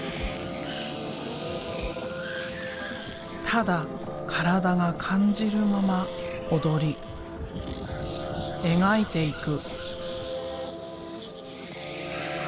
ただ体が感じるまま踊り描いていく。